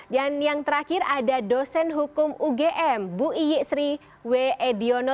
dan yang terakhir ada dosen hukum ugm bu iyi sriwe ediono